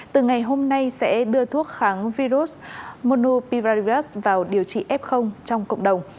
từ ngày hôm nay sẽ đưa thuốc kháng virus monupivarivias vào điều trị f trong cộng đồng